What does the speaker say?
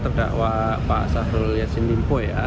terdakwa pak sahrul yassin limpo ya